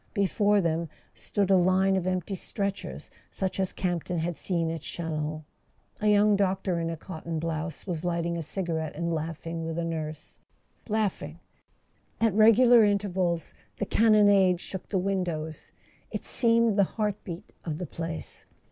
Before them stood a line of empty stretchers such as Campton had seen at Chalons. A young doctor in a cotton blouse was lighting a cigarette and laughing with a nurse— laughing! At regular intervals the cannonade shook the windows; it seemed the heart beat of the place.